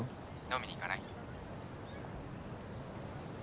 ☎飲みに行かない？